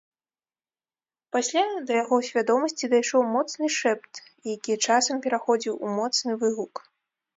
Пасля да яго свядомасці дайшоў моцны шэпт, які часам пераходзіў у моцны выгук.